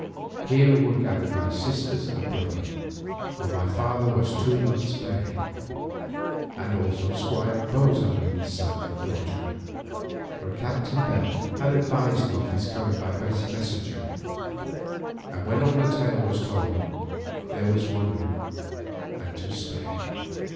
Here were gathered my sister and brother, for my father was then two months buried—and also Squire Bozard and his son and daughter, for Captain Bell had advised them of his coming by messenger, and when all the tale was told there was wonder and to spare.